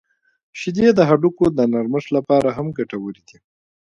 • شیدې د هډوکو د نرمښت لپاره هم ګټورې دي.